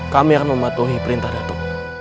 kami akan mematuhi perintah datuk